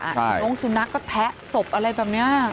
สวงโรงสุนัขก็แพ้ศพอะไรแบบนี้